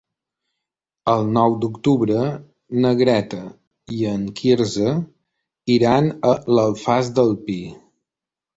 El nou d'octubre na Greta i en Quirze iran a l'Alfàs del Pi.